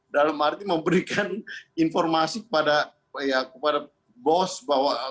dalam arti memberikan informasi kepada bos bahwa